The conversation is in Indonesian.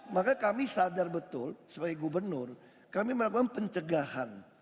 maka kami sadar betul sebagai gubernur kami melakukan pencegahan